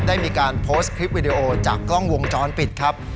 ได้มีการโพสต์คลิปวิดีโอจากกล้องวงจรปิดครับ